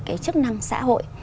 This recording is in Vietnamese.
cái chức năng xã hội